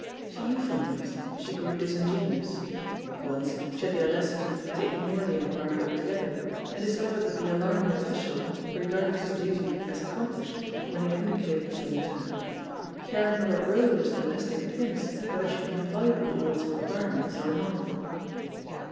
She euphemised, she grew disingenuous. Once she had the audacity to ig nore the inquiry altogether, and discovered that the alarming official regarded his duty as accom plished when he had indicated the form to her, caring not a row of his domestic pins whether she complied with all its requirements or not.